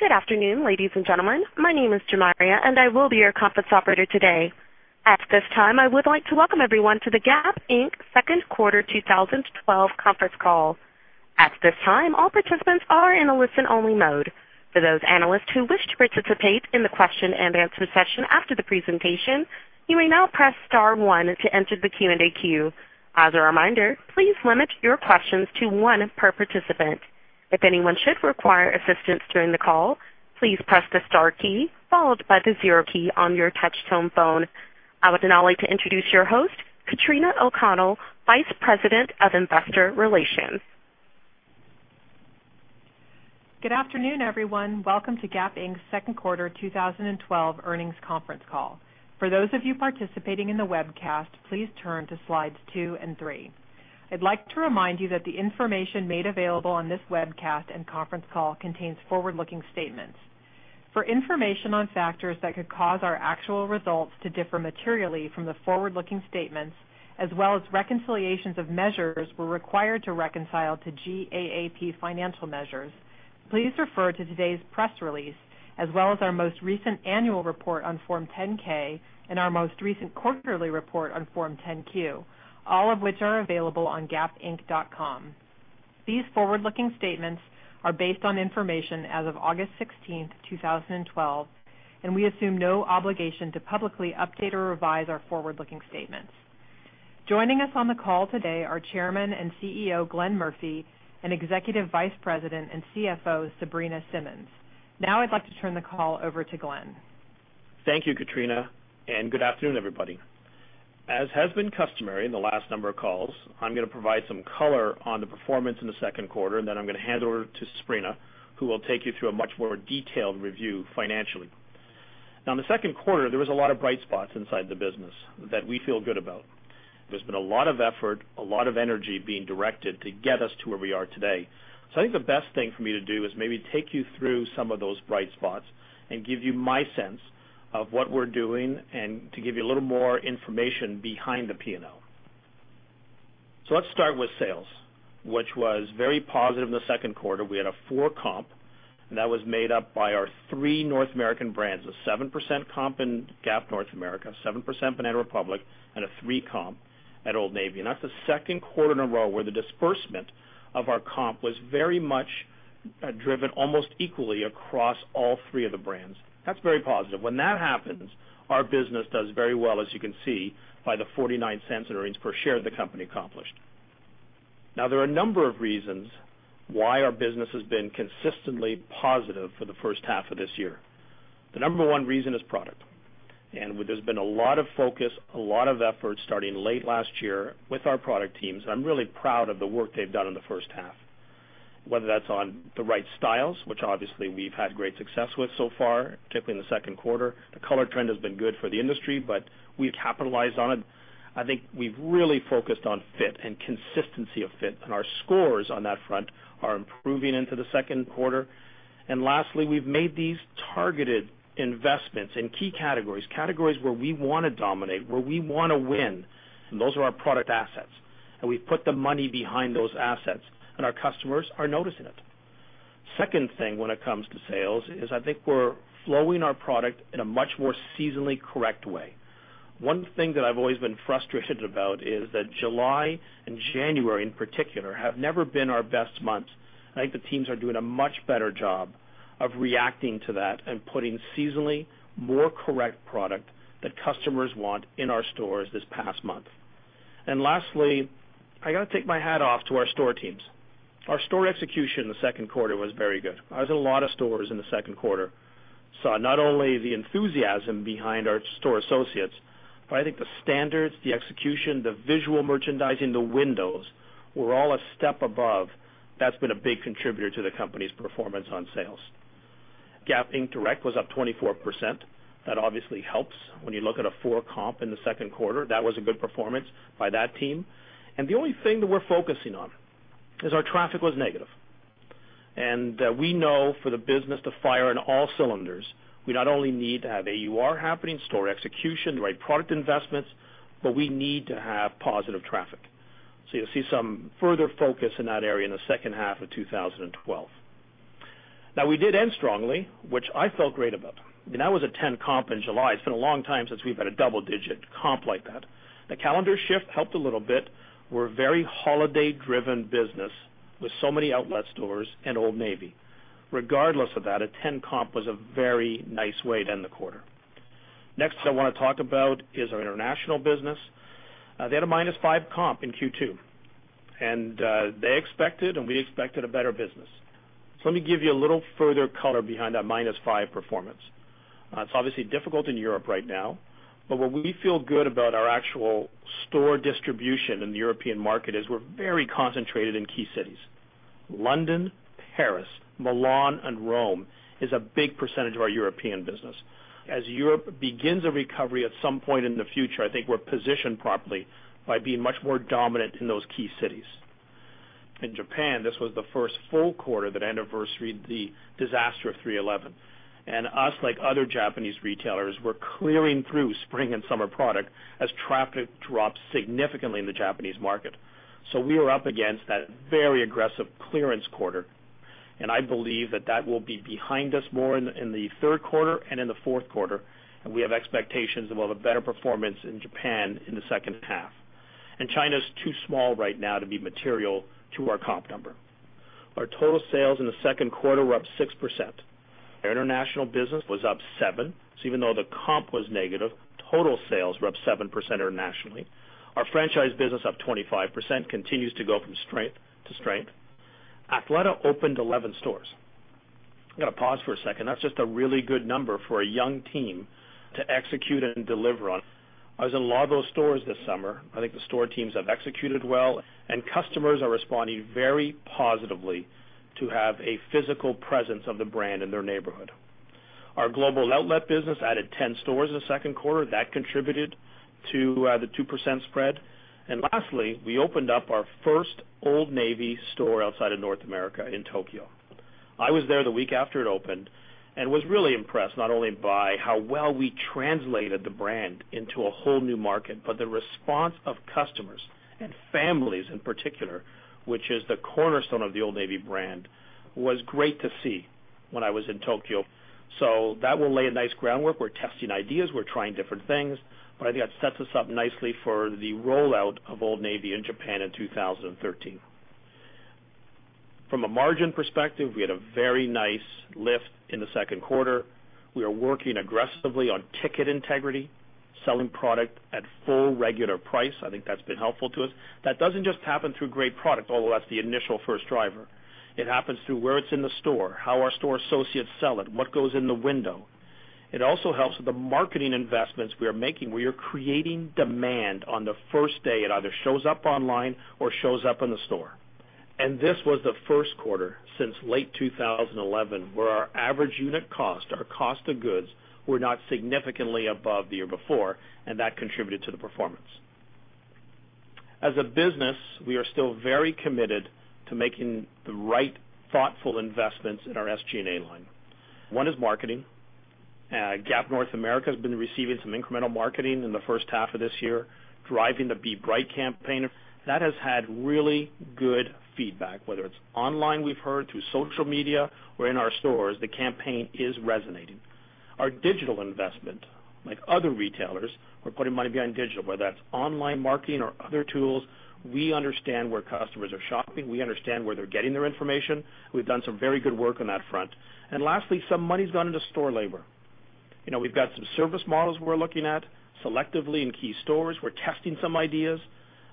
Good afternoon, ladies and gentlemen. My name is Jamaria, and I will be your conference operator today. At this time, I would like to welcome everyone to the Gap Inc. Second Quarter 2012 Conference Call. At this time, all participants are in a listen-only mode. For those analysts who wish to participate in the question-and-answer session after the presentation, you may now press star one to enter the Q&A queue. As a reminder, please limit your questions to one per participant. If anyone should require assistance during the call, please press the star key followed by the zero key on your touchtone phone. It's now time to introduce your host, Katrina O'Connell, Vice President of Investor Relations. Good afternoon, everyone. Welcome to Gap Inc.'s Second Quarter 2012 Earnings Conference Call. For those of you participating in the webcast, please turn to slides two and three. I'd like to remind you that the information made available on this webcast and conference call contains forward-looking statements. For information on factors that could cause our actual results to differ materially from the forward-looking statements, as well as reconciliations of measures were required to reconcile to GAAP financial measures, please refer to today's press release, as well as our most recent annual report on Form 10-K and our most recent quarterly report on Form 10-Q, all of which are available on gapinc.com. These forward-looking statements are based on information as of August 16th, 2012, and we assume no obligation to publicly update or revise our forward-looking statements. Joining us on the call today are Chairman and CEO, Glenn Murphy, and Executive Vice President and CFO, Sabrina Simmons. I'd like to turn the call over to Glenn. Thank you, Katrina, and good afternoon, everybody. As has been customary in the last number of calls, I'm going to provide some color on the performance in the second quarter, and then I'm going to hand over to Sabrina, who will take you through a much more detailed review financially. In the second quarter, there was a lot of bright spots inside the business that we feel good about. There's been a lot of effort, a lot of energy being directed to get us to where we are today. I think the best thing for me to do is maybe take you through some of those bright spots and give you my sense of what we're doing and to give you a little more information behind the P&L. Let's start with sales, which was very positive in the second quarter. We had a 4 comp, that was made up by our 3 North American brands, a 7% comp in Gap North America, 7% Banana Republic, and a 3 comp at Old Navy. That's the second quarter in a row where the disbursement of our comp was very much driven almost equally across all 3 of the brands. That's very positive. When that happens, our business does very well, as you can see, by the $0.49 in earnings per share the company accomplished. There are a number of reasons why our business has been consistently positive for the first half of this year. The number 1 reason is product. There's been a lot of focus, a lot of effort starting late last year with our product teams. I'm really proud of the work they've done in the first half, whether that's on the right styles, which obviously we've had great success with so far, particularly in the second quarter. The color trend has been good for the industry, but we've capitalized on it. I think we've really focused on fit and consistency of fit, and our scores on that front are improving into the second quarter. Lastly, we've made these targeted investments in key categories where we want to dominate, where we want to win, and those are our product assets. We've put the money behind those assets, and our customers are noticing it. Second thing when it comes to sales is I think we're flowing our product in a much more seasonally correct way. One thing that I've always been frustrated about is that July and January, in particular, have never been our best months. I think the teams are doing a much better job of reacting to that and putting seasonally more correct product that customers want in our stores this past month. Lastly, I got to take my hat off to our store teams. Our store execution in the second quarter was very good. I was in a lot of stores in the second quarter. Saw not only the enthusiasm behind our store associates, but I think the standards, the execution, the visual merchandising, the windows, were all a step above. That's been a big contributor to the company's performance on sales. Gap Inc. Direct was up 24%. That obviously helps when you look at a 4 comp in the second quarter. That was a good performance by that team. The only thing that we're focusing on is our traffic was negative. We know for the business to fire on all cylinders, we not only need to have AUR happening, store execution, the right product investments, but we need to have positive traffic. You'll see some further focus in that area in the second half of 2012. We did end strongly, which I felt great about. I mean, that was a 10 comp in July. It's been a long time since we've had a double-digit comp like that. The calendar shift helped a little bit. We're a very holiday-driven business with so many outlet stores and Old Navy. Regardless of that, a 10 comp was a very nice way to end the quarter. Next, I want to talk about is our international business. They had a -5% comp in Q2, we expected a better business. Let me give you a little further color behind that -5% performance. It is obviously difficult in Europe right now, but what we feel good about our actual store distribution in the European market is we are very concentrated in key cities. London, Paris, Milan, and Rome is a big percentage of our European business. As Europe begins a recovery at some point in the future, I think we are positioned properly by being much more dominant in those key cities. In Japan, this was the first full quarter that anniversaried the disaster of 3/11. Us, like other Japanese retailers, we are clearing through spring and summer product as traffic drops significantly in the Japanese market. We are up against that very aggressive clearance quarter, I believe that that will be behind us more in the third quarter and in the fourth quarter. We have expectations that we will have a better performance in Japan in the second half. China is too small right now to be material to our comp number. Our total sales in the second quarter were up 6%. Our international business was up 7%. Even though the comp was negative, total sales were up 7% internationally. Our franchise business up 25%, continues to go from strength to strength. Athleta opened 11 stores. I am going to pause for a second. That is just a really good number for a young team to execute and deliver on. I was in a lot of those stores this summer. I think the store teams have executed well, customers are responding very positively to have a physical presence of the brand in their neighborhood. Our global outlet business added 10 stores in the second quarter. That contributed to the 2% spread. Lastly, we opened up our first Old Navy store outside of North America in Tokyo. I was there the week after it opened and was really impressed, not only by how well we translated the brand into a whole new market, but the response of customers and families in particular, which is the cornerstone of the Old Navy brand, was great to see when I was in Tokyo. That will lay a nice groundwork. We are testing ideas. We are trying different things, I think that sets us up nicely for the rollout of Old Navy in Japan in 2013. From a margin perspective, we had a very nice lift in the second quarter. We are working aggressively on ticket integrity, selling product at full regular price. I think that has been helpful to us. That does not just happen through great product, although that is the initial first driver. It happens through where it is in the store, how our store associates sell it, what goes in the window. It also helps with the marketing investments we are making. We are creating demand on the first day it either shows up online or shows up in the store. This was the first quarter since late 2011 where our average unit cost, our cost of goods, were not significantly above the year before, and that contributed to the performance. As a business, we are still very committed to making the right thoughtful investments in our SG&A line. One is marketing. Gap North America has been receiving some incremental marketing in the first half of this year, driving the Be Bright campaign. That has had really good feedback, whether it's online, we've heard through social media or in our stores, the campaign is resonating. Our digital investment, like other retailers, we're putting money behind digital, whether that's online marketing or other tools. We understand where customers are shopping. We understand where they're getting their information. We've done some very good work on that front. Lastly, some money's gone into store labor. We've got some service models we're looking at selectively in key stores. We're testing some ideas.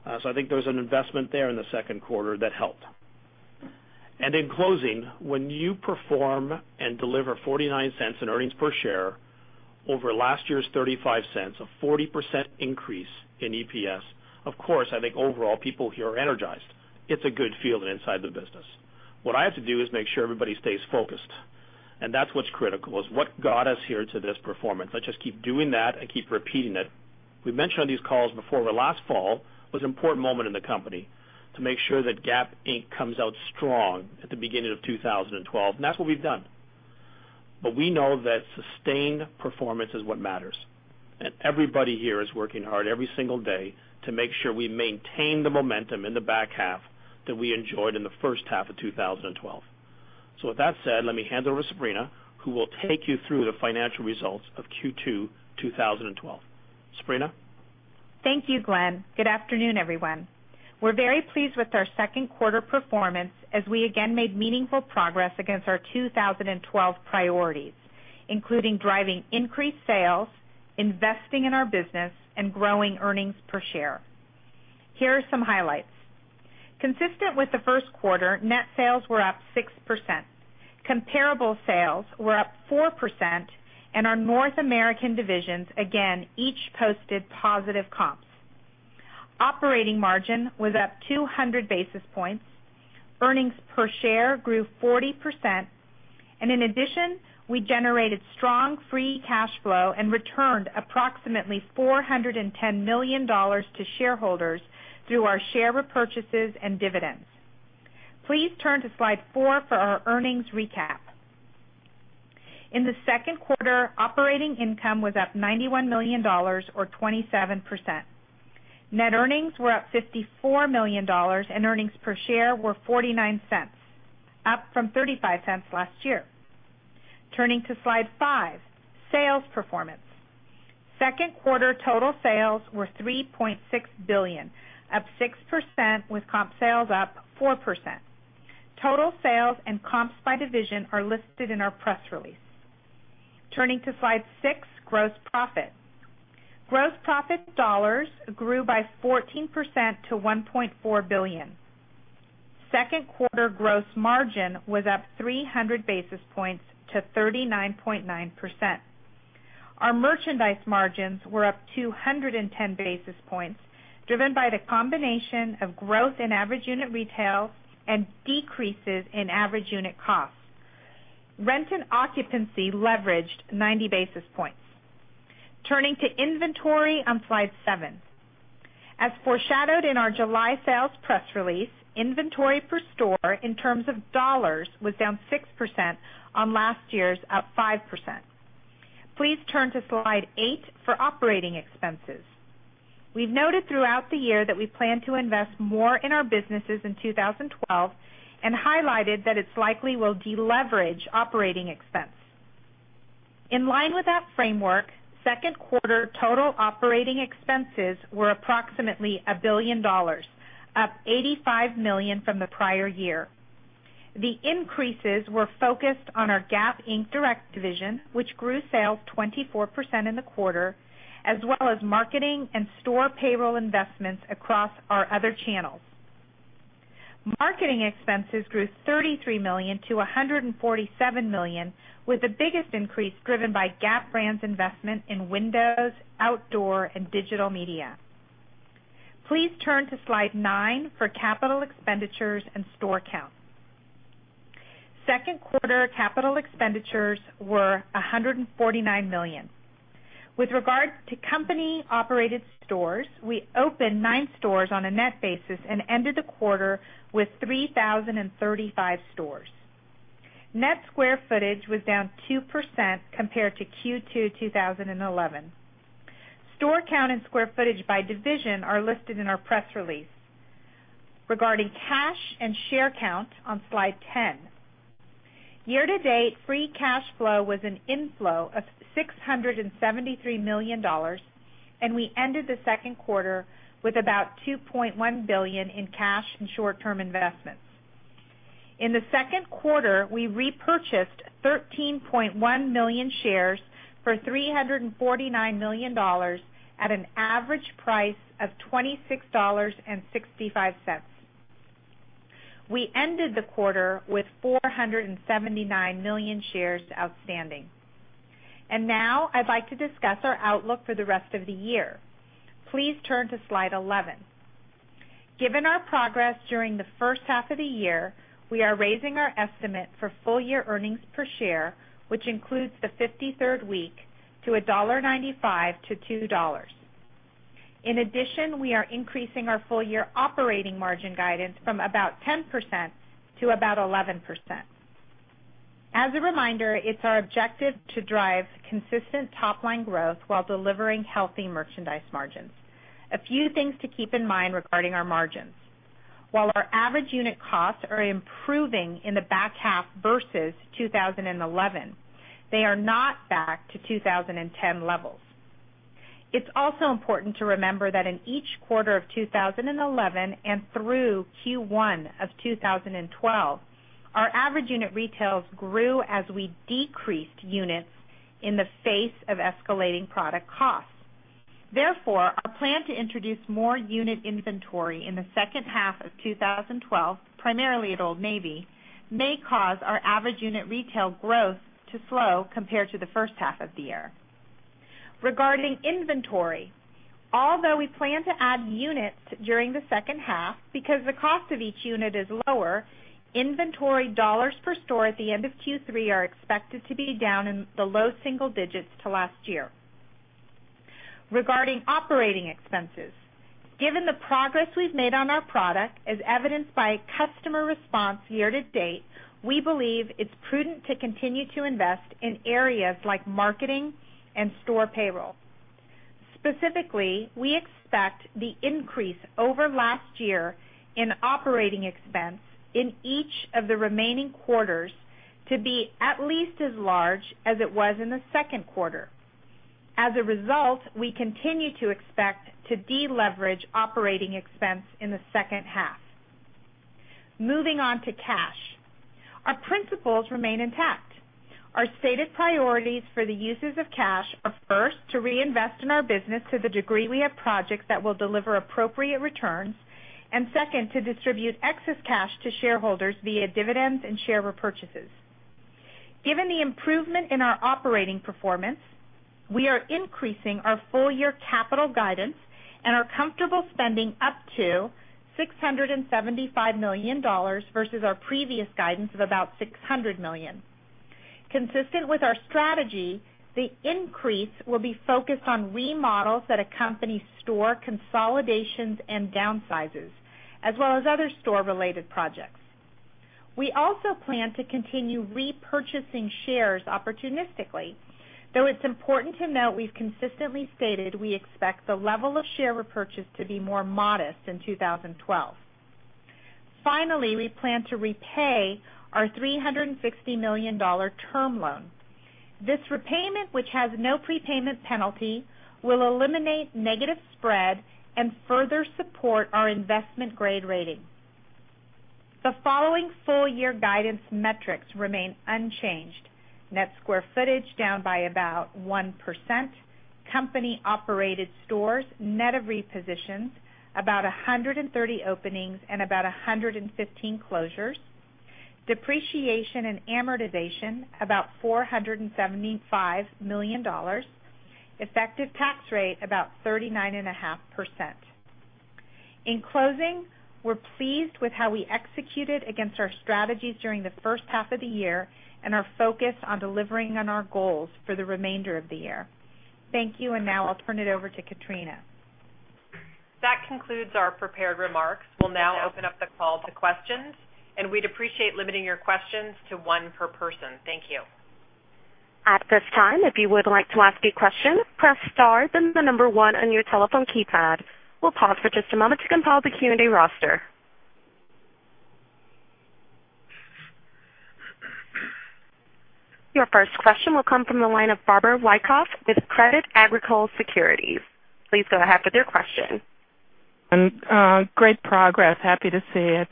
I think there was an investment there in the second quarter that helped. In closing, when you perform and deliver $0.49 in earnings per share over last year's $0.35, a 40% increase in EPS, of course, I think overall, people here are energized. It's a good feeling inside the business. What I have to do is make sure everybody stays focused, and that's what's critical, is what got us here to this performance. Let's just keep doing that and keep repeating it. We've mentioned on these calls before where last fall was an important moment in the company to make sure that Gap Inc. comes out strong at the beginning of 2012, and that's what we've done. We know that sustained performance is what matters, and everybody here is working hard every single day to make sure we maintain the momentum in the back half that we enjoyed in the first half of 2012. With that said, let me hand over to Sabrina, who will take you through the financial results of Q2 2012. Sabrina? Thank you, Glenn. Good afternoon, everyone. We're very pleased with our second quarter performance as we again made meaningful progress against our 2012 priorities, including driving increased sales, investing in our business, and growing earnings per share. Here are some highlights. Consistent with the first quarter, net sales were up 6%. Comparable sales were up 4%, and our North American divisions again each posted positive comps. Operating margin was up 200 basis points. Earnings per share grew 40%, and in addition, we generated strong free cash flow and returned approximately $410 million to shareholders through our share repurchases and dividends. Please turn to slide four for our earnings recap. In the second quarter, operating income was up $91 million or 27%. Net earnings were up $54 million, and earnings per share were $0.49, up from $0.35 last year. Turning to slide five, sales performance. Second quarter total sales were $3.6 billion, up 6% with comp sales up 4%. Total sales and comps by division are listed in our press release. Turning to slide six, gross profit. Gross profit dollars grew by 14% to $1.4 billion. Second quarter gross margin was up 300 basis points to 39.9%. Our merchandise margins were up 210 basis points, driven by the combination of growth in average unit retail and decreases in average unit costs. Rent and occupancy leveraged 90 basis points. Turning to inventory on Slide 7. As foreshadowed in our July sales press release, inventory per store in terms of dollars was down 6% on last year's up 5%. Please turn to Slide 8 for operating expenses. We've noted throughout the year that we plan to invest more in our businesses in 2012 and highlighted that it likely will deleverage operating expense. In line with that framework, second quarter total operating expenses were approximately $1 billion, up $85 million from the prior year. The increases were focused on our Gap Inc. Direct division, which grew sales 24% in the quarter, as well as marketing and store payroll investments across our other channels. Marketing expenses grew $33 million to $147 million, with the biggest increase driven by Gap brand's investment in windows, outdoor, and digital media. Please turn to Slide 9 for capital expenditures and store count. Second quarter capital expenditures were $149 million. With regard to company-operated stores, we opened nine stores on a net basis and ended the quarter with 3,035 stores. Net square footage was down 2% compared to Q2 2011. Store count and square footage by division are listed in our press release. Regarding cash and share count on Slide 10. Year-to-date free cash flow was an inflow of $673 million, and we ended the second quarter with about $2.1 billion in cash and short-term investments. In the second quarter, we repurchased 13.1 million shares for $349 million at an average price of $26.65. We ended the quarter with 479 million shares outstanding. Now I'd like to discuss our outlook for the rest of the year. Please turn to Slide 11. Given our progress during the first half of the year, we are raising our estimate for full-year earnings per share, which includes the 53rd week, to $1.95-$2. In addition, we are increasing our full-year operating margin guidance from about 10% to about 11%. As a reminder, it's our objective to drive consistent top-line growth while delivering healthy merchandise margins. A few things to keep in mind regarding our margins. While our average unit costs are improving in the back half versus 2011, they are not back to 2010 levels. It's also important to remember that in each quarter of 2011 and through Q1 of 2012, our average unit retails grew as we decreased units in the face of escalating product costs. Therefore, our plan to introduce more unit inventory in the second half of 2012, primarily at Old Navy, may cause our average unit retail growth to slow compared to the first half of the year. Regarding inventory, although we plan to add units during the second half, because the cost of each unit is lower, inventory dollars per store at the end of Q3 are expected to be down in the low single digits to last year. Regarding operating expenses, given the progress we've made on our product, as evidenced by customer response year-to-date, we believe it's prudent to continue to invest in areas like marketing and store payroll. Specifically, we expect the increase over last year in operating expense in each of the remaining quarters to be at least as large as it was in the second quarter. As a result, we continue to expect to deleverage operating expense in the second half. Moving on to cash. Our principles remain intact. Our stated priorities for the uses of cash are first, to reinvest in our business to the degree we have projects that will deliver appropriate returns, and second, to distribute excess cash to shareholders via dividends and share repurchases. Given the improvement in our operating performance, we are increasing our full-year capital guidance and are comfortable spending up to $675 million versus our previous guidance of about $600 million. Consistent with our strategy, the increase will be focused on remodels at a company store, consolidations, and downsizes, as well as other store-related projects. We also plan to continue repurchasing shares opportunistically, though it's important to note we've consistently stated we expect the level of share repurchase to be more modest in 2012. Finally, we plan to repay our $360 million term loan. This repayment, which has no prepayment penalty, will eliminate negative spread and further support our investment-grade rating. The following full-year guidance metrics remain unchanged. Net square footage down by about 1%. Company-operated stores, net of repositions, about 130 openings and about 115 closures. Depreciation and amortization, about $475 million. Effective tax rate, about 39.5%. In closing, we're pleased with how we executed against our strategies during the first half of the year, are focused on delivering on our goals for the remainder of the year. Thank you. Now I'll turn it over to Katrina. That concludes our prepared remarks. We'll now open up the call to questions. We'd appreciate limiting your questions to one per person. Thank you. At this time, if you would like to ask a question, press star then the number one on your telephone keypad. We'll pause for just a moment to compile the Q&A roster. Your first question will come from the line of Barbara Wyckoff with Crédit Agricole Securities. Please go ahead with your question. Great progress. Happy to see it.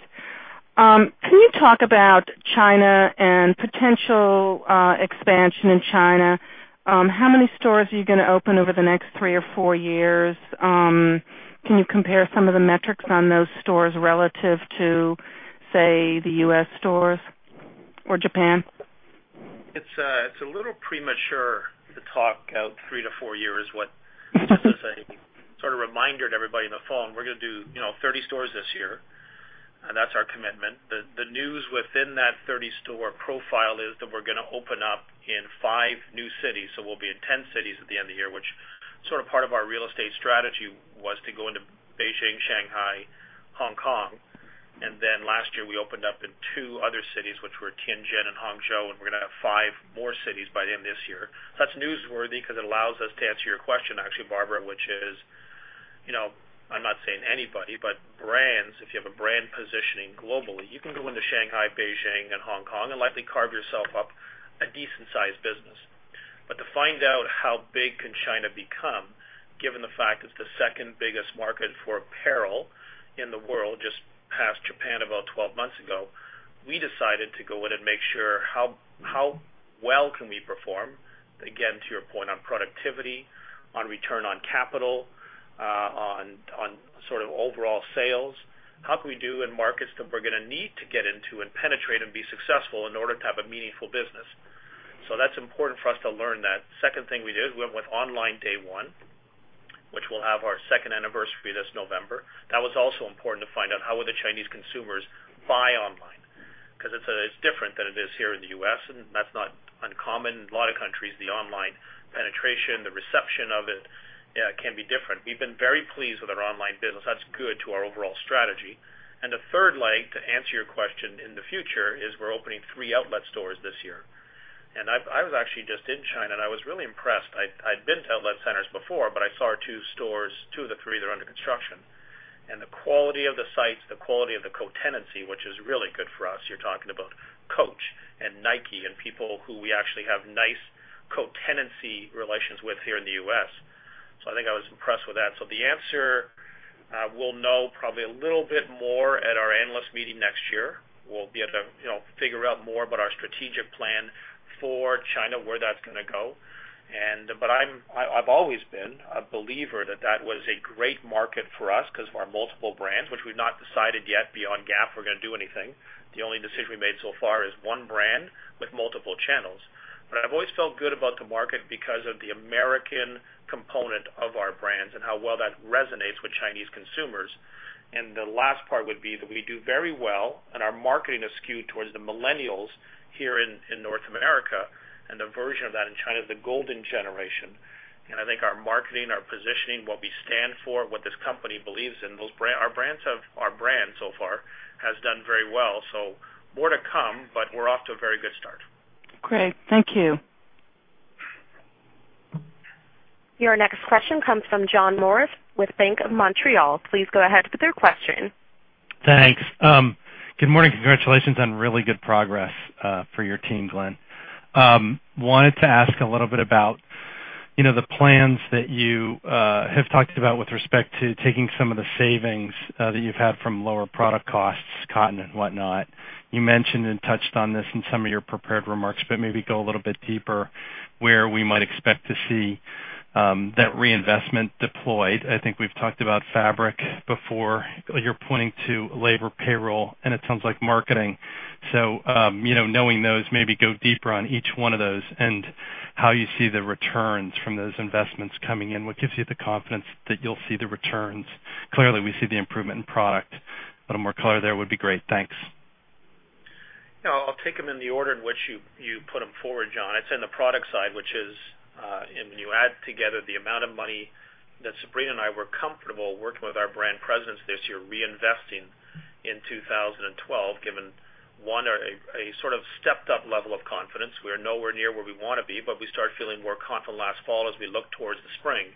Can you talk about China and potential expansion in China? How many stores are you going to open over the next three or four years? Can you compare some of the metrics on those stores relative to, say, the U.S. stores or Japan? It's a little premature to talk out three to four years. Just as a sort of reminder to everybody on the phone, we're going to do 30 stores this year, and that's our commitment. The news within that 30-store profile is that we're going to open up in five new cities. We'll be in 10 cities at the end of the year, which sort of part of our real estate strategy was to go into Beijing, Shanghai, Hong Kong. Then last year, we opened up in two other cities, which were Tianjin and Hangzhou, and we're going to have five more cities by the end of this year. That's newsworthy because it allows us to answer your question, actually, Barbara, which is, I'm not saying anybody, but brands, if you have a brand positioning globally, you can go into Shanghai, Beijing, and Hong Kong and likely carve yourself up a decent-sized business. To find out how big can China become, given the fact it's the second-biggest market for apparel in the world, just passed Japan about 12 months ago, we decided to go in and make sure how well can we perform, again, to your point on productivity, on return on capital, on sort of overall sales. How can we do in markets that we're going to need to get into and penetrate and be successful in order to have a meaningful business? That's important for us to learn that. Second thing we did, we went with online day one, which will have our second anniversary this November. That was also important to find out how would the Chinese consumers buy online, because it's different than it is here in the U.S., and that's not uncommon. A lot of countries, the online penetration, the reception of it, can be different. We've been very pleased with our online business. That's good to our overall strategy. The third leg, to answer your question, in the future, is we're opening three outlet stores this year. I was actually just in China, and I was really impressed. I'd been to outlet centers before, but I saw our two stores, two of the three that are under construction. The quality of the sites, the quality of the co-tenancy, which is really good for us. You're talking about Coach and Nike and people who we actually have nice co-tenancy relations with here in the U.S. I think I was impressed with that. The answer, we'll know probably a little bit more at our analyst meeting next year. We'll be able to figure out more about our strategic plan for China, where that's going to go. I've always been a believer that that was a great market for us because of our multiple brands, which we've not decided yet beyond Gap we're going to do anything. The only decision we made so far is one brand with multiple channels. I've always felt good about the market because of the American component of our brands and how well that resonates with Chinese consumers. The last part would be that we do very well, and our marketing is skewed towards the millennials here in North America, and the version of that in China is the golden generation. I think our marketing, our positioning, what we stand for, what this company believes in, our brand so far has done very well. More to come, but we're off to a very good start. Great. Thank you. Your next question comes from John Morris with Bank of Montreal. Please go ahead with your question. Thanks. Good morning. Congratulations on really good progress for your team, Glenn. Wanted to ask a little bit about the plans that you have talked about with respect to taking some of the savings that you've had from lower product costs, cotton and whatnot. You mentioned and touched on this in some of your prepared remarks, but maybe go a little bit deeper where we might expect to see that reinvestment deployed. I think we've talked about fabric before. You're pointing to labor payroll, and it sounds like marketing. Knowing those, maybe go deeper on each one of those and how you see the returns from those investments coming in. What gives you the confidence that you'll see the returns? Clearly, we see the improvement in product. A little more color there would be great. Thanks. Yeah. I'll take them in the order in which you put them forward, John. It's in the product side, which is when you add together the amount of money that Sabrina and I were comfortable working with our brand presidents this year, reinvesting in 2012, given, one, a sort of stepped-up level of confidence. We are nowhere near where we want to be, but we started feeling more confident last fall as we looked towards the spring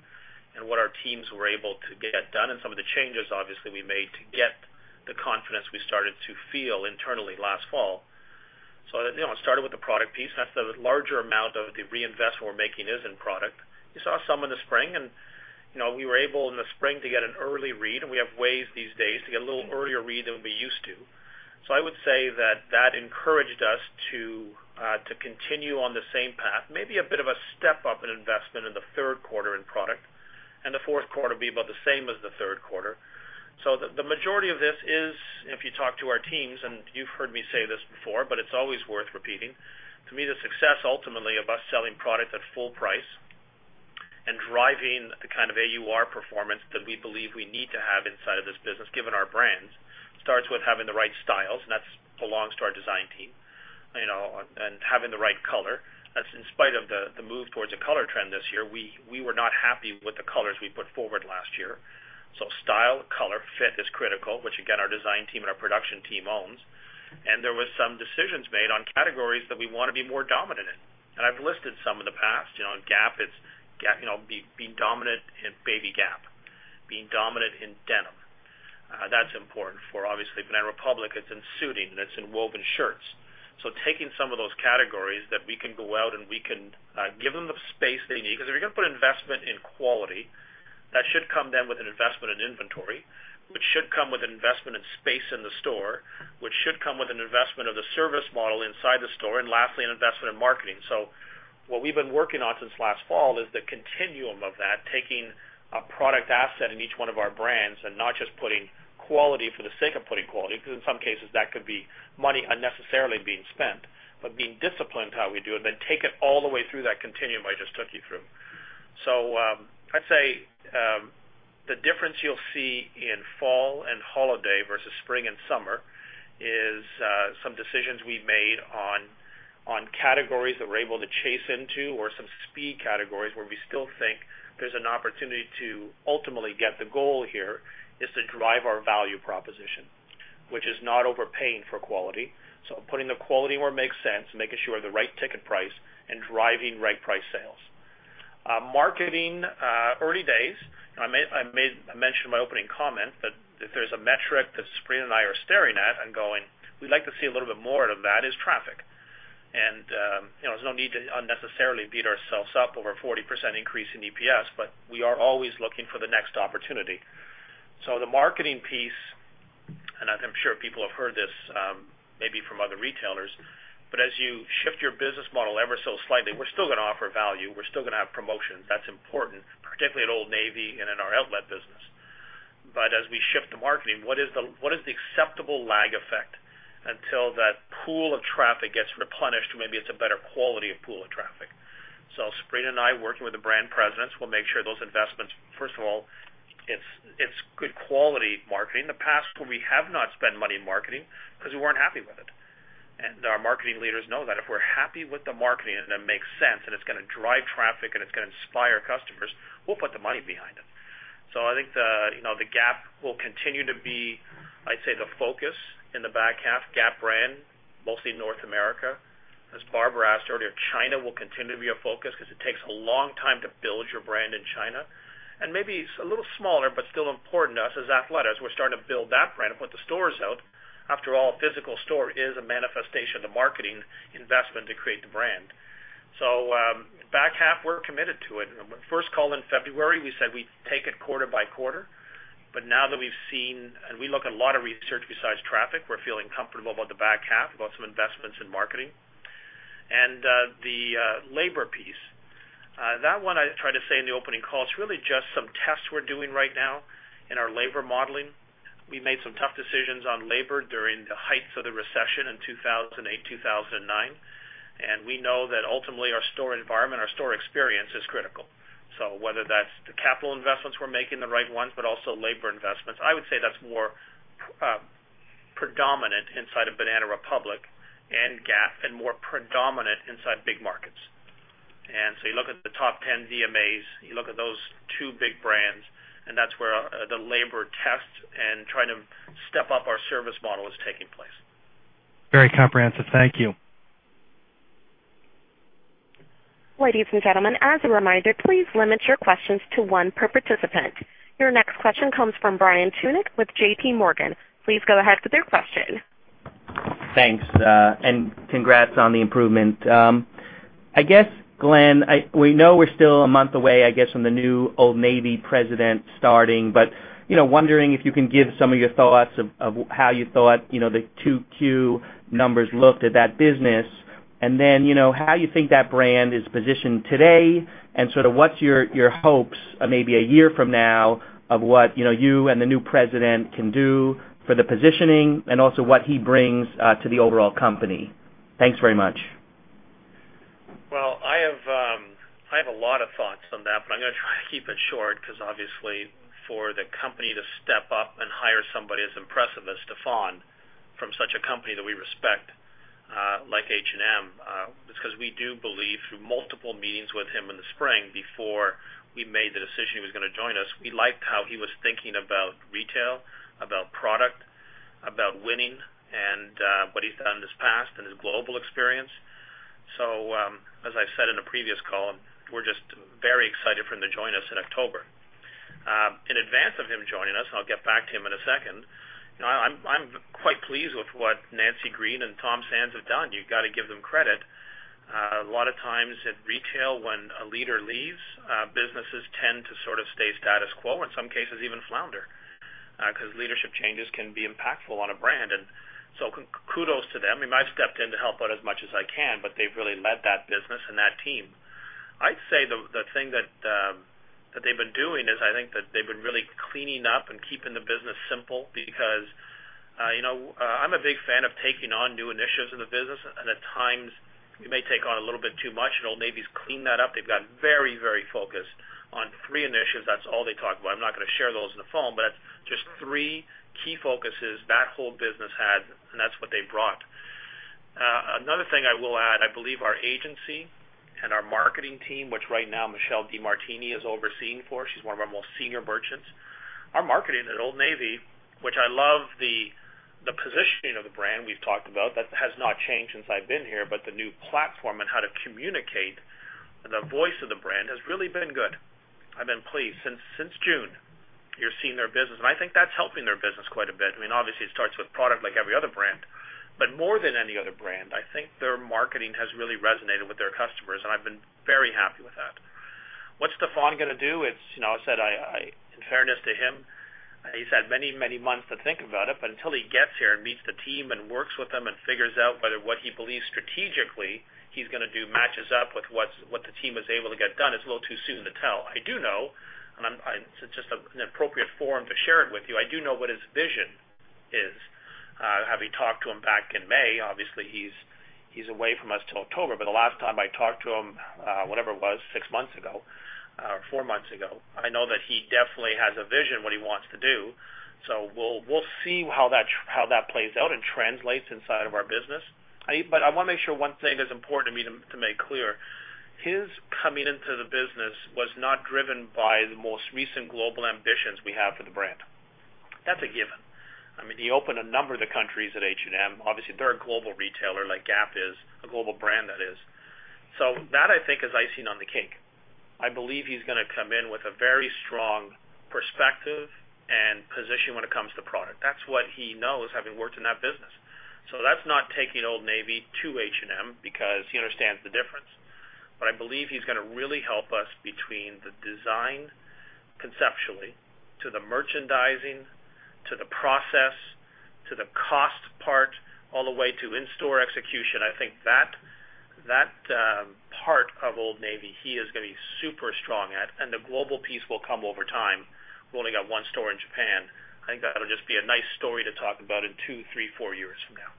and what our teams were able to get done and some of the changes, obviously, we made to get the confidence we started to feel internally last fall. It started with the product piece. That's the larger amount of the reinvest we're making is in product. You saw some in the spring, and we were able in the spring to get an early read, and we have ways these days to get a little earlier read than we used to. I would say that that encouraged us to continue on the same path, maybe a bit of a step-up in investment in the third quarter in product, and the fourth quarter be about the same as the third quarter. The majority of this is, if you talk to our teams, and you've heard me say this before, but it's always worth repeating. To me, the success ultimately of us selling product at full price driving the kind of AUR performance that we believe we need to have inside of this business, given our brands, starts with having the right styles, and that belongs to our design team, and having the right color. Style, color, fit is critical, which again, our design team and our production team owns. There were some decisions made on categories that we want to be more dominant in. I've listed some in the past. In Gap, it's being dominant in babyGap, being dominant in denim. That's important for, obviously, Banana Republic. It's in suiting, and it's in woven shirts. Taking some of those categories that we can go out and we can give them the space they need. Because if you're going to put investment in quality, that should come then with an investment in inventory, which should come with an investment in space in the store, which should come with an investment of the service model inside the store, and lastly, an investment in marketing. What we've been working on since last fall is the continuum of that, taking a product asset in each one of our brands and not just putting quality for the sake of putting quality, because in some cases that could be money unnecessarily being spent. Being disciplined how we do it, and then take it all the way through that continuum I just took you through. I'd say the difference you'll see in fall and holiday versus spring and summer is some decisions we've made on categories that we're able to chase into or some speed categories where we still think there's an opportunity to ultimately get the goal here, is to drive our value proposition. Which is not overpaying for quality. Putting the quality where it makes sense, making sure the right ticket price, and driving right price sales. Marketing, early days. I mentioned in my opening comment that if there's a metric that Sabrina and I are staring at and going, "We'd like to see a little bit more of that," is traffic. There's no need to unnecessarily beat ourselves up over a 40% increase in EPS, but we are always looking for the next opportunity. The marketing piece, and I'm sure people have heard this maybe from other retailers, but as you shift your business model ever so slightly, we're still going to offer value. We're still going to have promotions. That's important, particularly at Old Navy and in our outlet business. As we shift the marketing, what is the acceptable lag effect until that pool of traffic gets replenished? Maybe it's a better quality of pool of traffic. Sabrina and I, working with the brand presidents, will make sure those investments, first of all, it's good quality marketing. In the past, we have not spent money in marketing because we weren't happy with it. Our marketing leaders know that if we're happy with the marketing and it makes sense and it's going to drive traffic and it's going to inspire customers, we'll put the money behind it. I think the Gap will continue to be, I'd say, the focus in the back half. Gap brand, mostly North America. As Barbara asked earlier, China will continue to be a focus because it takes a long time to build your brand in China. Maybe it's a little smaller, but still important to us is Athleta, as we're starting to build that brand and put the stores out. After all, a physical store is a manifestation of the marketing investment to create the brand. Back half, we're committed to it. First call in February, we said we'd take it quarter by quarter. Now that we've seen, and we look at a lot of research besides traffic, we're feeling comfortable about the back half, about some investments in marketing. The labor piece. That one I tried to say in the opening call, it's really just some tests we're doing right now in our labor modeling. We made some tough decisions on labor during the heights of the recession in 2008, 2009. We know that ultimately our store environment, our store experience is critical. Whether that's the capital investments, we're making the right ones, but also labor investments. I would say that's more predominant inside of Banana Republic and Gap and more predominant inside big markets. You look at the top 10 DMAs, you look at those two big brands, and that's where the labor test and trying to step up our service model is taking place. Very comprehensive. Thank you. Ladies and gentlemen, as a reminder, please limit your questions to one per participant. Your next question comes from Brian Tunick with JPMorgan. Please go ahead with your question. Thanks. Congrats on the improvement. I guess, Glenn, we know we're still a month away, I guess, from the new Old Navy president starting. Wondering if you can give some of your thoughts of how you thought the 2Q numbers looked at that business. How you think that brand is positioned today, and sort of what's your hopes, maybe a year from now, of what you and the new president can do for the positioning, and also what he brings to the overall company. Thanks very much. Well, I have a lot of thoughts on that, but I'm going to try to keep it short because obviously for the company to step up and hire somebody as impressive as Stefan from such a company that we respect like H&M, it's because we do believe through multiple meetings with him in the spring before we made the decision he was going to join us, we liked how he was thinking about retail, about product, about winning, and what he's done in his past and his global experience. As I said in a previous call, we're just very excited for him to join us in October. In advance of him joining us, I'll get back to him in a second. I'm quite pleased with what Nancy Green and Tom Sands have done. You've got to give them credit. A lot of times in retail, when a leader leaves, businesses tend to sort of stay status quo, in some cases even flounder, because leadership changes can be impactful on a brand. Kudos to them. I've stepped in to help out as much as I can, but they've really led that business and that team. I'd say the thing that they've been doing is I think that they've been really cleaning up and keeping the business simple because I'm a big fan of taking on new initiatives in the business, and at times you may take on a little bit too much, and Old Navy's cleaned that up. They've gotten very focused on three initiatives. That's all they talk about. I'm not going to share those on the phone, just three key focuses that whole business had, and that's what they've brought. Another thing I will add, I believe our agency and our marketing team, which right now Michelle DeMartini is overseeing for. She's one of our most senior merchants. Our marketing at Old Navy, which I love the positioning of the brand we've talked about, that has not changed since I've been here, but the new platform and how to communicate the voice of the brand has really been good. I've been pleased. Since June, you're seeing their business, and I think that's helping their business quite a bit. Obviously, it starts with product like every other brand, but more than any other brand, I think their marketing has really resonated with their customers, and I've been very happy with that. What's Stefan going to do? As I said, in fairness to him, he's had many months to think about it, but until he gets here and meets the team and works with them and figures out whether what he believes strategically he's going to do matches up with what the team is able to get done, it's a little too soon to tell. I do know, and it's just an appropriate forum to share it with you. I do know what his vision is, having talked to him back in May. Obviously, he's away from us till October. The last time I talked to him, whatever it was, six months ago or four months ago, I know that he definitely has a vision what he wants to do. We'll see how that plays out and translates inside of our business. I want to make sure one thing that's important to me to make clear. His coming into the business was not driven by the most recent global ambitions we have for the brand. That's a given. He opened a number of the countries at H&M. Obviously, they're a global retailer like Gap is, a global brand, that is. That I think is icing on the cake. I believe he's going to come in with a very strong perspective and position when it comes to product. That's what he knows, having worked in that business. That's not taking Old Navy to H&M because he understands the difference. I believe he's going to really help us between the design conceptually to the merchandising, to the process, to the cost part, all the way to in-store execution. I think that part of Old Navy, he is going to be super strong at, and the global piece will come over time. We've only got one store in Japan. I think that'll just be a nice story to talk about in two, three, four years from now.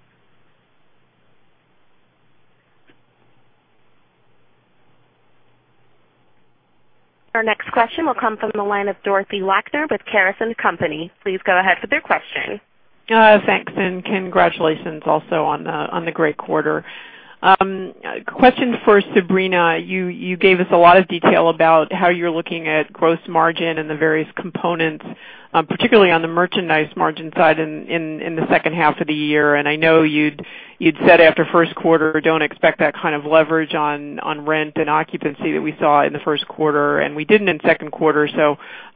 Our next question will come from the line of Dorothy Lakner with Caris & Company. Please go ahead with your question. Thanks, and congratulations also on the great quarter. Question for Sabrina. You gave us a lot of detail about how you're looking at gross margin and the various components, particularly on the merchandise margin side in the second half of the year. I know you'd said after the first quarter, don't expect that kind of leverage on rent and occupancy that we saw in the first quarter, and we didn't in the second quarter.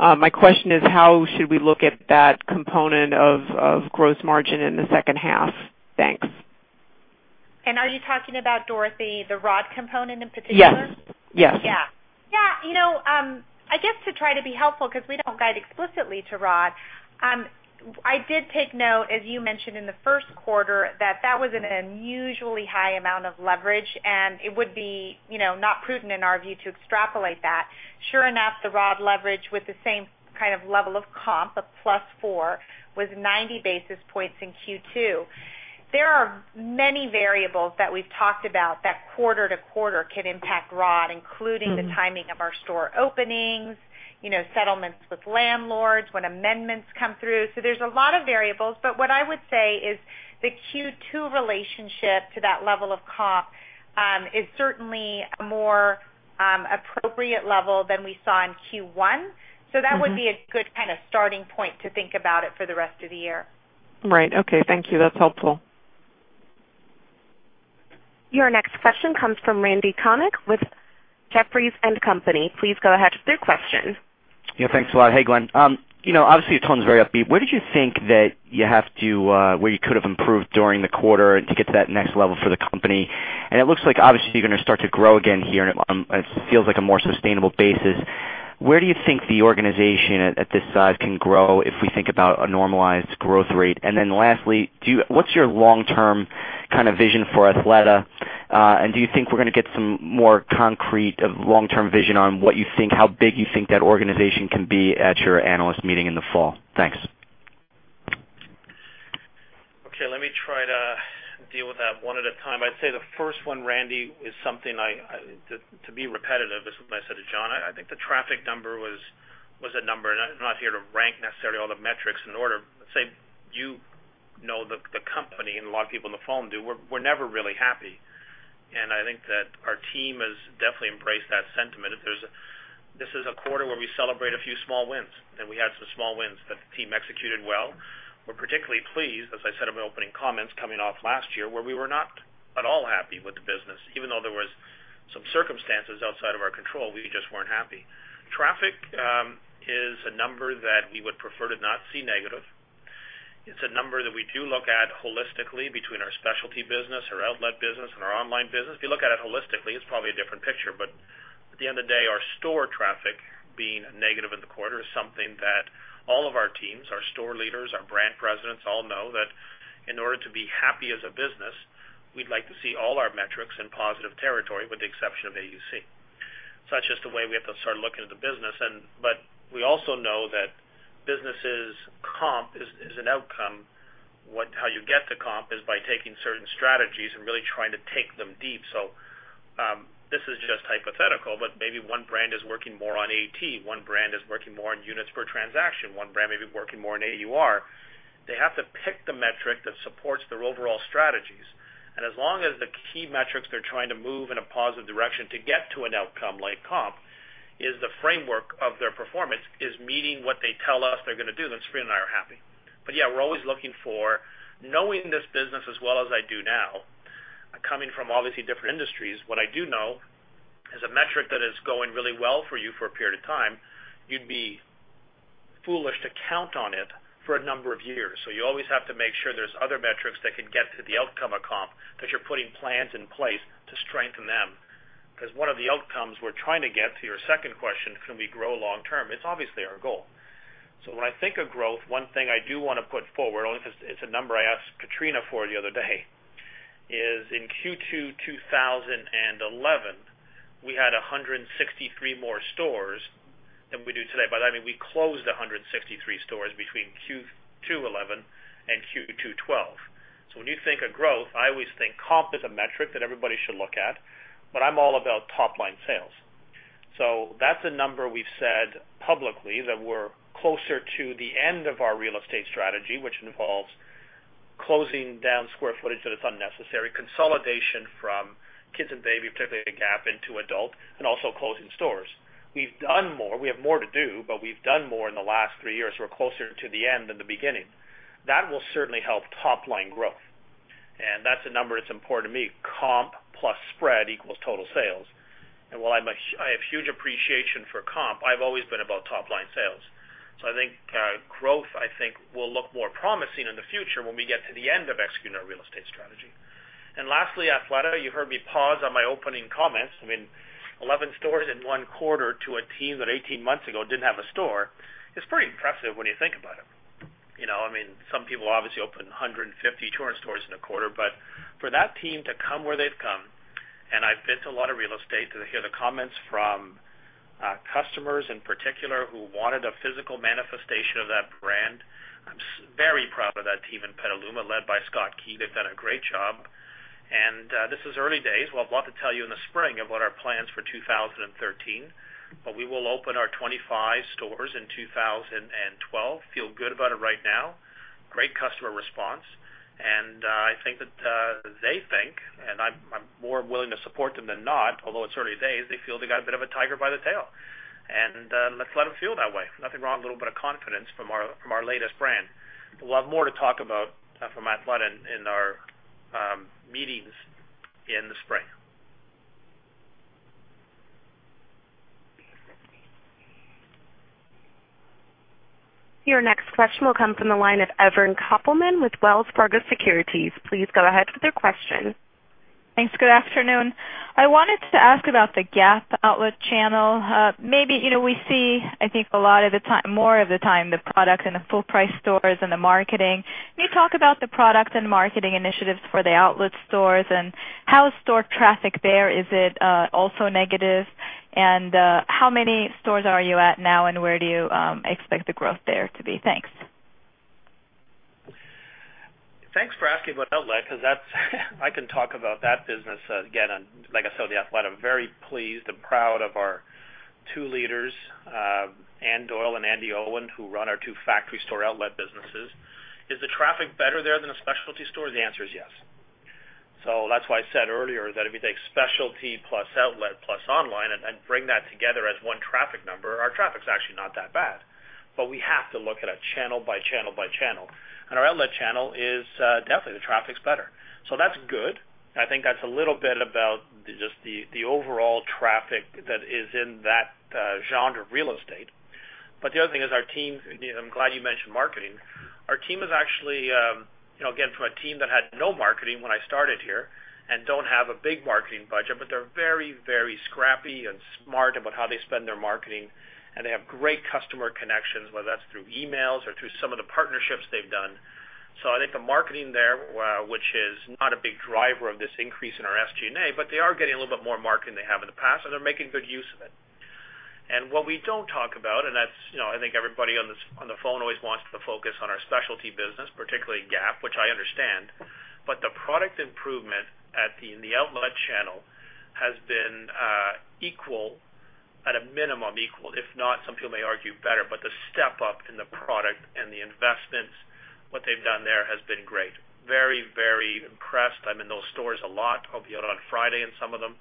My question is, how should we look at that component of gross margin in the second half? Thanks. Are you talking about, Dorothy, the ROD component in particular? Yes. Yeah. I guess to try to be helpful because we don't guide explicitly to ROD. I did take note, as you mentioned in the first quarter, that was an unusually high amount of leverage, and it would be not prudent in our view to extrapolate that. Sure enough, the ROD leverage with the same kind of level of comp of +4 was 90 basis points in Q2. There are many variables that we've talked about that quarter to quarter can impact ROD, including the timing of our store openings, settlements with landlords, when amendments come through. There's a lot of variables, but what I would say is the Q2 relationship to that level of comp is certainly a more appropriate level than we saw in Q1. That would be a good kind of starting point to think about it for the rest of the year. Right. Okay. Thank you. That's helpful. Your next question comes from Randal Konik with Jefferies & Company. Please go ahead with your question. Yeah, thanks a lot. Hey, Glenn. Obviously, your tone is very upbeat. Where did you think that you could have improved during the quarter to get to that next level for the company? It looks like obviously you're going to start to grow again here, and it feels like a more sustainable basis. Where do you think the organization at this size can grow if we think about a normalized growth rate? Lastly, what's your long-term kind of vision for Athleta? Do you think we're going to get some more concrete long-term vision on what you think, how big you think that organization can be at your analyst meeting in the fall? Thanks. Okay, let me try to deal with that one at a time. I'd say the first one, Randy, is something, to be repetitive, as I said to John, I think the traffic number was a number. I'm not here to rank necessarily all the metrics in order. Say, you know the company and a lot of people on the phone do, we're never really happy, and I think that our team has definitely embraced that sentiment. This is a quarter where we celebrate a few small wins. We had some small wins that the team executed well. We're particularly pleased, as I said in my opening comments, coming off last year where we were not at all happy with the business. Even though there were some circumstances outside of our control, we just weren't happy. Traffic is a number that we would prefer to not see negative. It's a number that we do look at holistically between our specialty business, our outlet business, and our online business. If you look at it holistically, it's probably a different picture. At the end of the day, our store traffic being negative in the quarter is something that all of our teams, our store leaders, our brand presidents all know that in order to be happy as a business We'd like to see all our metrics in positive territory with the exception of AUC. Such is the way we have to start looking at the business. We also know that business' comp is an outcome. How you get to comp is by taking certain strategies and really trying to take them deep. This is just hypothetical, but maybe one brand is working more on AT, one brand is working more on units per transaction, one brand may be working more on AUR. They have to pick the metric that supports their overall strategies. As long as the key metrics they're trying to move in a positive direction to get to an outcome like comp, is the framework of their performance is meeting what they tell us they're going to do, then Sabrina and I are happy. Yeah, we're always looking for knowing this business as well as I do now, coming from obviously different industries, what I do know is a metric that is going really well for you for a period of time, you'd be foolish to count on it for a number of years. You always have to make sure there's other metrics that could get to the outcome of comp, that you're putting plans in place to strengthen them. Because one of the outcomes we're trying to get, to your second question, can we grow long term? It's obviously our goal. When I think of growth, one thing I do want to put forward, only because it's a number I asked Katrina for the other day, is in Q2 2011, we had 163 more stores than we do today. We closed 163 stores between Q2 2011 and Q2 2012. When you think of growth, I always think comp is a metric that everybody should look at, but I'm all about top line sales. That's a number we've said publicly that we're closer to the end of our real estate strategy, which involves closing down square footage that is unnecessary, consolidation from kids and baby, particularly at Gap into adult, and also closing stores. We've done more. We have more to do, but we've done more in the last three years. We're closer to the end than the beginning. That will certainly help top line growth, and that's a number that's important to me. Comp plus spread equals total sales. While I have huge appreciation for comp, I've always been about top line sales. I think growth will look more promising in the future when we get to the end of executing our real estate strategy. Lastly, Athleta, you heard me pause on my opening comments. 11 stores in one quarter to a team that 18 months ago didn't have a store, is pretty impressive when you think about it. Some people obviously open 150, 200 stores in a quarter. For that team to come where they've come, and I've visited a lot of real estate to hear the comments from customers in particular who wanted a physical manifestation of that brand. I'm very proud of that team in Petaluma, led by Scott Key. They've done a great job. This is early days. We'll have a lot to tell you in the spring of what our plans for 2013, but we will open our 25 stores in 2012. Feel good about it right now. Great customer response. I think that they think, and I'm more willing to support them than not, although it's early days, they feel they got a bit of a tiger by the tail, and let's let them feel that way. Nothing wrong with a little bit of confidence from our latest brand. We'll have more to talk about from Athleta in our meetings in the spring. Your next question will come from the line of Evren Kopelman with Wells Fargo Securities. Please go ahead with your question. Thanks. Good afternoon. I wanted to ask about the Gap Outlet channel. Maybe we see, I think, a lot of the time, more of the time, the product in the full price stores and the marketing. Can you talk about the product and marketing initiatives for the Outlet stores and how is store traffic there? Is it also negative? How many stores are you at now, and where do you expect the growth there to be? Thanks. Thanks for asking about outlet, because I can talk about that business again. Like I said, the Athleta, very pleased and proud of our two leaders, Ann Doyle and Andi Owen, who run our two factory store Outlet businesses. Is the traffic better there than the specialty stores? The answer is yes. That's why I said earlier that if you take specialty plus Outlet plus online and bring that together as one traffic number, our traffic's actually not that bad. We have to look at it channel by channel by channel. Our Outlet channel is definitely, the traffic's better. That's good. I think that's a little bit about just the overall traffic that is in that genre of real estate. The other thing is our team, I'm glad you mentioned marketing. Our team is actually, again, from a team that had no marketing when I started here and don't have a big marketing budget. They're very, very scrappy and smart about how they spend their marketing, and they have great customer connections, whether that's through emails or through some of the partnerships they've done. I think the marketing there, which is not a big driver of this increase in our SG&A, but they are getting a little bit more marketing than they have in the past, and they're making good use of it. What we don't talk about, and that's, I think everybody on the phone always wants to focus on our specialty business, particularly Gap, which I understand. The product improvement in the outlet channel has been equal at a minimum, equal, if not some people may argue better, but the step up in the product and the investments, what they've done there has been great. Very, very impressed. I'm in those stores a lot. I'll be out on Friday in some of them.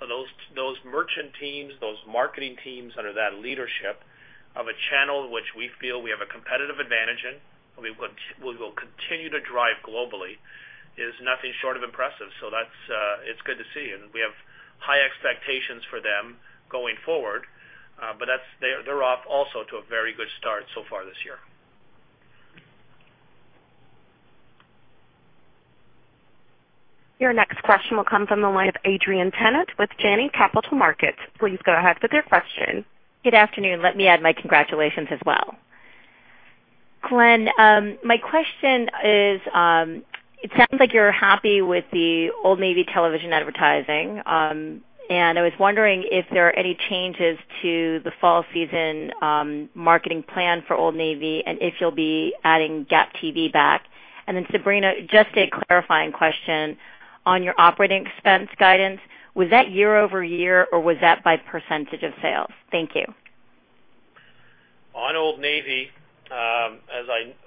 Those merchant teams, those marketing teams under that leadership of a channel which we feel we have a competitive advantage in, and we will continue to drive globally, is nothing short of impressive. It's good to see, and we have high expectations for them going forward. They're off also to a very good start so far this year. Your next question will come from the line of Adrienne Tennant with Janney Montgomery Scott. Please go ahead with your question. Good afternoon. Let me add my congratulations as well. Glenn, my question is, it sounds like you're happy with the Old Navy television advertising. I was wondering if there are any changes to the fall season marketing plan for Old Navy, and if you'll be adding Gap TV back. Sabrina, just a clarifying question on your operating expense guidance. Was that year-over-year, or was that by percentage of sales? Thank you. On Old Navy, as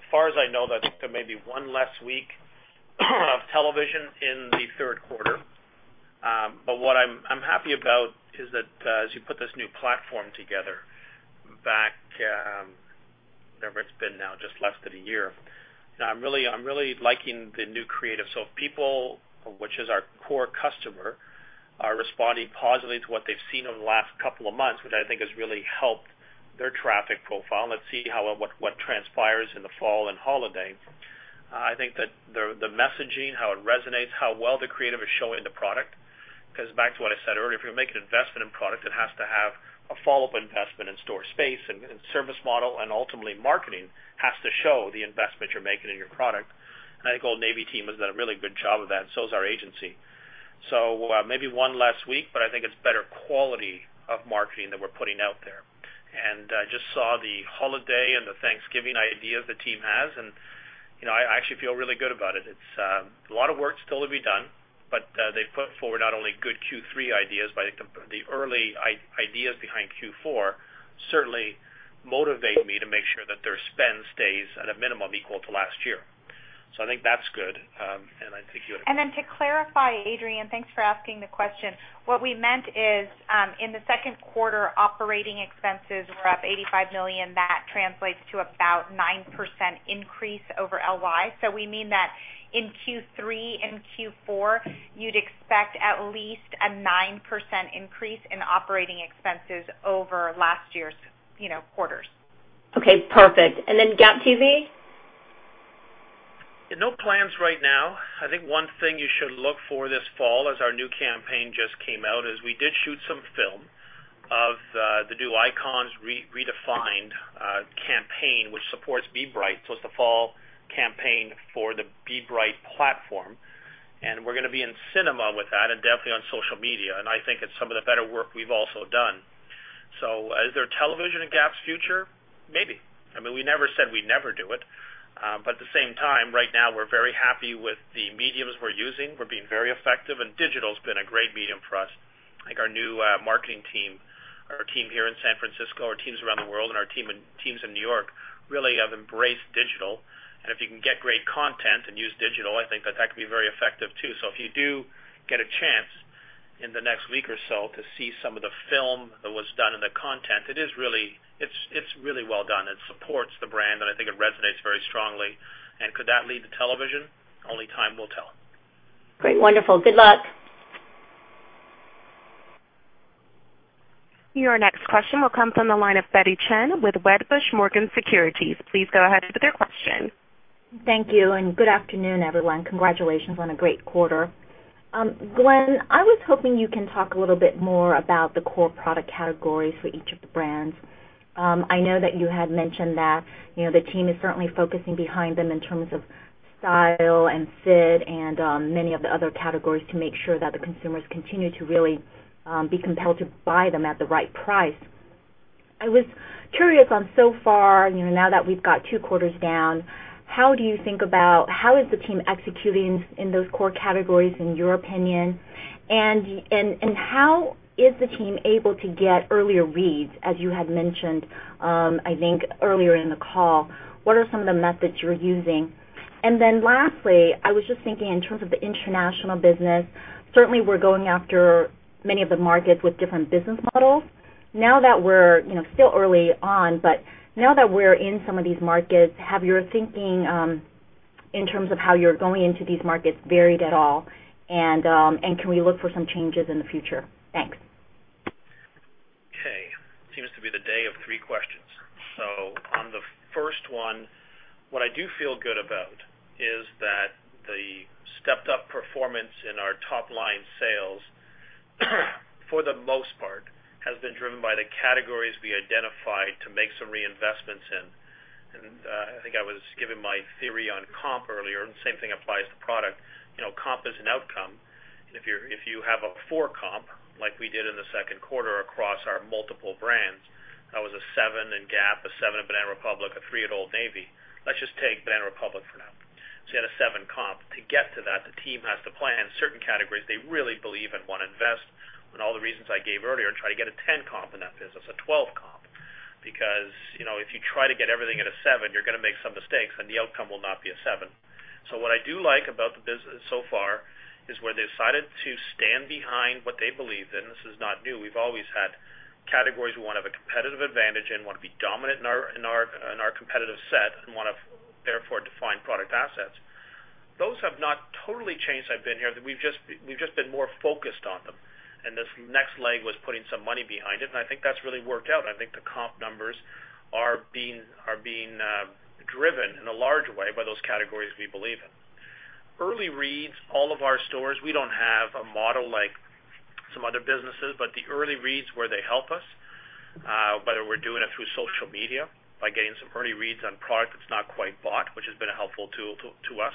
far as I know, that's maybe one less week of television in the third quarter. What I'm happy about is that as you put this new platform together back, whatever it's been now, just less than a year, I'm really liking the new creative. People, which is our core customer, are responding positively to what they've seen over the last couple of months, which I think has really helped their traffic profile. Let's see what transpires in the fall and holiday. I think that the messaging, how it resonates, how well the creative is showing the product. Back to what I said earlier, if you're gonna make an investment in product, it has to have a follow-up investment in store space and service model, and ultimately marketing has to show the investment you're making in your product. I think Old Navy team has done a really good job of that, and so has our agency. Maybe one last week, but I think it's better quality of marketing that we're putting out there. I just saw the holiday and the Thanksgiving idea the team has, and I actually feel really good about it. It's a lot of work still to be done. They put forward not only good Q3 ideas, but the early ideas behind Q4 certainly motivate me to make sure that their spend stays at a minimum equal to last year. I think that's good. To clarify, Adrienne, thanks for asking the question. What we meant is, in the second quarter, operating expenses were up $85 million. That translates to about 9% increase over LY. We mean that in Q3 and Q4, you'd expect at least a 9% increase in operating expenses over last year's quarters. Okay, perfect. Gap TV? No plans right now. I think one thing you should look for this fall, as our new campaign just came out, is we did shoot some film of the new Icons Redefined campaign, which supports Be Bright. It's the fall campaign for the Be Bright platform. We're going to be in cinema with that and definitely on social media. I think it's some of the better work we've also done. Is there television in Gap's future? Maybe. We never said we'd never do it. At the same time, right now, we're very happy with the mediums we're using. We're being very effective, and digital's been a great medium for us. I think our new marketing team, our team here in San Francisco, our teams around the world, and our teams in New York really have embraced digital. If you can get great content and use digital, I think that can be very effective too. If you do get a chance in the next week or so to see some of the film that was done and the content, it's really well done. It supports the brand, and I think it resonates very strongly. Could that lead to television? Only time will tell. Great. Wonderful. Good luck. Your next question will come from the line of Betty Chen with Wedbush Morgan Securities. Please go ahead with your question. Thank you. Good afternoon, everyone. Congratulations on a great quarter. Glenn, I was hoping you can talk a little bit more about the core product categories for each of the brands. I know that you had mentioned that the team is certainly focusing behind them in terms of style and fit and many of the other categories to make sure that the consumers continue to really be compelled to buy them at the right price. I was curious on so far, now that we've got two quarters down, how is the team executing in those core categories, in your opinion? How is the team able to get earlier reads, as you had mentioned, I think earlier in the call. What are some of the methods you're using? Lastly, I was just thinking in terms of the international business. Certainly, we're going after many of the markets with different business models. Still early on. Now that we're in some of these markets, have your thinking in terms of how you're going into these markets varied at all? Can we look for some changes in the future? Thanks. Okay. Seems to be the day of three questions. On the first one, what I do feel good about is that the stepped-up performance in our top-line sales, for the most part, has been driven by the categories we identified to make some reinvestments in. I think I was giving my theory on comp earlier. The same thing applies to product. Comp is an outcome. If you have a four comp, like we did in the second quarter across our multiple brands. That was a seven in Gap, a seven in Banana Republic, a three at Old Navy. Let's just take Banana Republic for now. You had a seven comp. To get to that, the team has to plan certain categories they really believe and want to invest, and all the reasons I gave earlier, and try to get a 10 comp in that business, a 12 comp. If you try to get everything at a seven, you're going to make some mistakes. The outcome will not be a seven. What I do like about the business so far is where they decided to stand behind what they believe in. This is not new. We've always had categories we want to have a competitive advantage in, want to be dominant in our competitive set, and want to therefore define product assets. Those have not totally changed since I've been here. We've just been more focused on them. This next leg was putting some money behind it, and I think that's really worked out. I think the comp numbers are being driven in a large way by those categories we believe in. Early reads, all of our stores, we don't have a model like some other businesses, but the early reads where they help us, whether we're doing it through social media by getting some early reads on product that's not quite bought, which has been a helpful tool to us,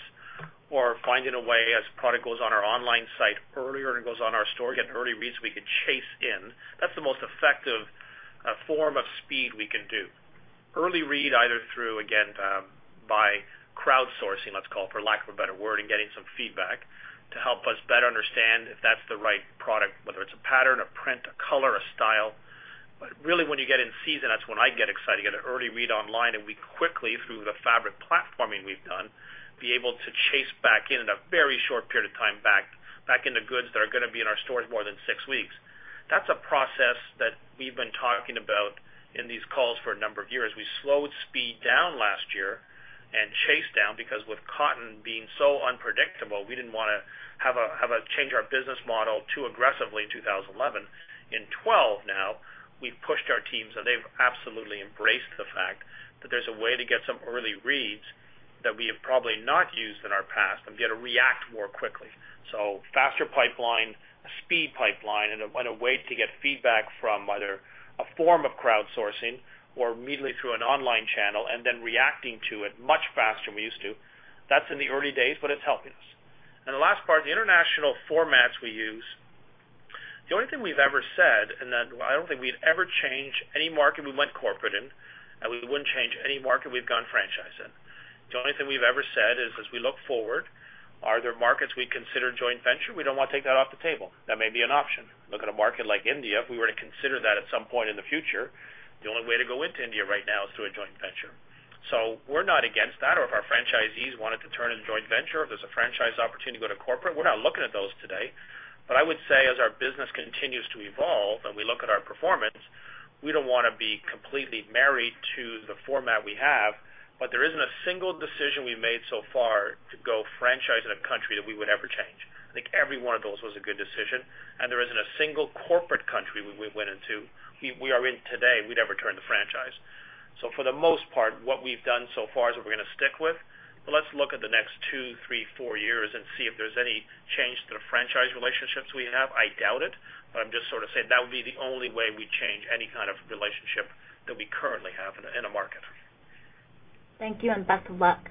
or finding a way as product goes on our online site earlier than it goes on our store, get early reads we could chase in. That's the most effective form of speed we can do. Early read, either through, again, by crowdsourcing, let's call it, for lack of a better word, and getting some feedback to help us better understand if that's the right product, whether it's a pattern, a print, a color, a style. Really, when you get in season, that's when I get excited. You get an early read online, we quickly, through the fabric platforming we've done, be able to chase back in a very short period of time, back into goods that are going to be in our stores more than 6 weeks. That's a process that we've been talking about in these calls for a number of years. We slowed speed down last year and chased down because with cotton being so unpredictable, we didn't want to change our business model too aggressively in 2011. In 2012 now, we've pushed our teams, they've absolutely embraced the fact that there's a way to get some early reads that we have probably not used in our past and be able to react more quickly. Faster pipeline, a speed pipeline, a way to get feedback from either a form of crowdsourcing or immediately through an online channel, reacting to it much faster than we used to. That's in the early days, but it's helping us. The last part, the international formats we use. The only thing we've ever said, I don't think we'd ever change any market we went corporate in, we wouldn't change any market we've gone franchise in. The only thing we've ever said is, as we look forward, are there markets we consider joint venture? We don't want to take that off the table. That may be an option. Look at a market like India. If we were to consider that at some point in the future, the only way to go into India right now is through a joint venture. We're not against that. If our franchisees wanted to turn into joint venture, if there's a franchise opportunity to go to corporate, we're not looking at those today. I would say as our business continues to evolve and we look at our performance, we don't want to be completely married to the format we have. There isn't a single decision we've made so far to go franchise in a country that we would ever change. I think every one of those was a good decision. There isn't a single corporate country we went into, we are in today, we'd ever turn to franchise. For the most part, what we've done so far is what we're going to stick with. Let's look at the next two, three, four years and see if there's any change to the franchise relationships we have. I doubt it, but I'm just sort of saying that would be the only way we change any kind of relationship that we currently have in a market. Thank you, and best of luck.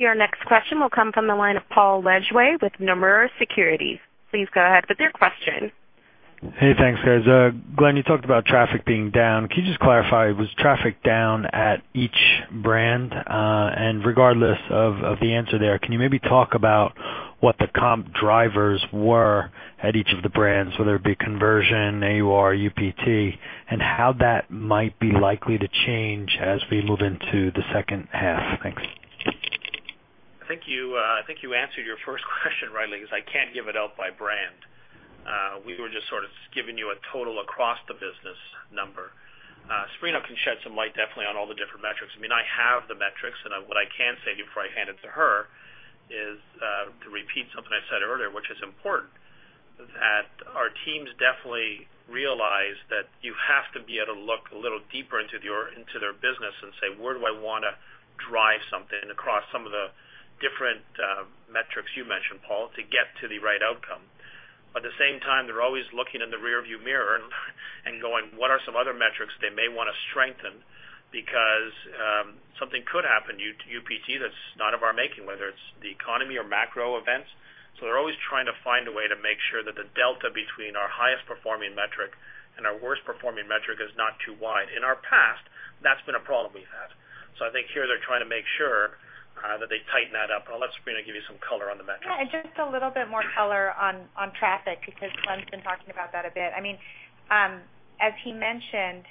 Your next question will come from the line of Paul Lejuez with Nomura Securities. Please go ahead with your question. Hey, thanks, guys. Glenn, you talked about traffic being down. Can you just clarify, was traffic down at each brand? Regardless of the answer there, can you maybe talk about what the comp drivers were at each of the brands, whether it be conversion, AUR, UPT, and how that might be likely to change as we move into the second half? Thanks. I think you answered your first question rightly, because I can't give it out by brand. We were just sort of giving you a total across the business number. Sabrina can shed some light definitely on all the different metrics. I have the metrics, and what I can say before I hand it to her is to repeat something I said earlier, which is important, that our teams definitely realize that you have to be able to look a little deeper into their business and say, "Where do I want to drive something across some of the different metrics you mentioned, Paul, to get to the right outcome?" At the same time, they're always looking in the rearview mirror and going, what are some other metrics they may want to strengthen because something could happen UPT that's none of our making, whether it's the economy or macro events. They're always trying to find a way to make sure that the delta between our highest performing metric and our worst performing metric is not too wide. In our past, that's been a problem we've had. I think here they're trying to make sure that they tighten that up. I'll let Sabrina give you some color on the metrics. Yeah, just a little bit more color on traffic, because Glenn's been talking about that a bit. As he mentioned,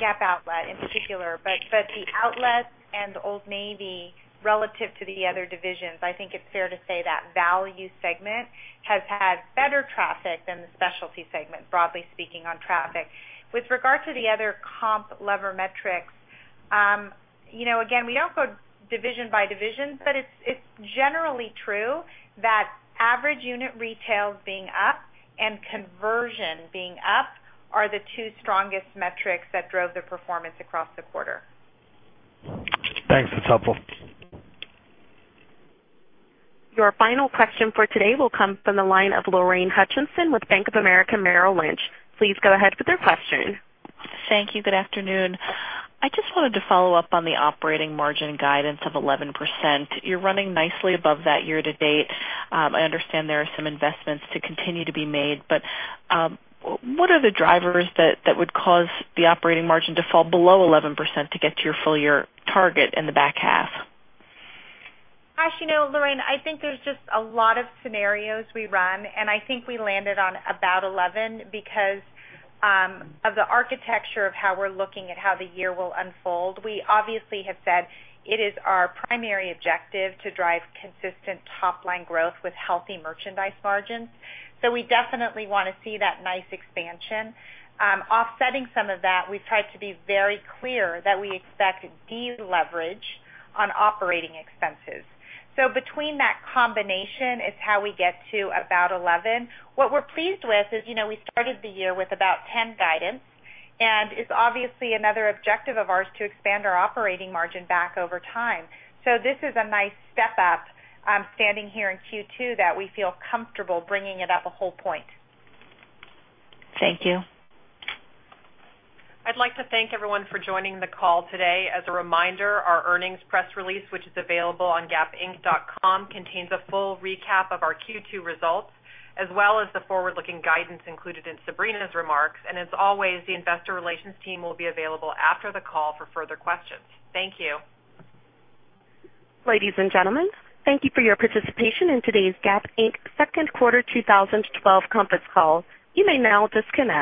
Gap Outlet in particular. The Outlet and Old Navy relative to the other divisions, I think it's fair to say that value segment has had better traffic than the specialty segment, broadly speaking, on traffic. With regard to the other comp lever metrics, again, we don't go division by division, but it's generally true that average unit retails being up and conversion being up are the two strongest metrics that drove the performance across the quarter. Thanks. That's helpful. Your final question for today will come from the line of Lorraine Hutchinson with Bank of America Merrill Lynch. Please go ahead with your question. Thank you. Good afternoon. I just wanted to follow up on the operating margin guidance of 11%. You're running nicely above that year to date. I understand there are some investments to continue to be made, what are the drivers that would cause the operating margin to fall below 11% to get to your full year target in the back half? Gosh, Lorraine, I think there's just a lot of scenarios we run, I think we landed on about 11% because of the architecture of how we're looking at how the year will unfold. We obviously have said it is our primary objective to drive consistent top-line growth with healthy merchandise margins. Offsetting some of that, we've tried to be very clear that we expect deleverage on operating expenses. Between that combination is how we get to about 11%. What we're pleased with is we started the year with about 10% guidance, it's obviously another objective of ours to expand our operating margin back over time. This is a nice step up, standing here in Q2, that we feel comfortable bringing it up a whole point. Thank you. I'd like to thank everyone for joining the call today. As a reminder, our earnings press release, which is available on gapinc.com, contains a full recap of our Q2 results, as well as the forward-looking guidance included in Sabrina's remarks. As always, the investor relations team will be available after the call for further questions. Thank you. Ladies and gentlemen, thank you for your participation in today's Gap Inc. second quarter 2012 conference call. You may now disconnect.